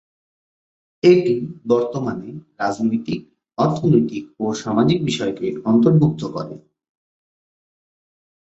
এটি বর্তমানে রাজনৈতিক, অর্থনৈতিক ও সামাজিক বিষয়কে অন্তর্ভুক্ত করে।